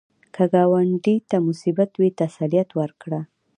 که ګاونډي ته مصیبت وي، تسلیت ورکړه